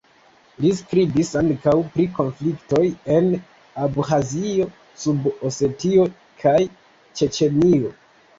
Li skribis ankaŭ pri konfliktoj en Abĥazio, Sud-Osetio kaj Ĉeĉenio.